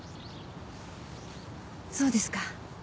そうですか。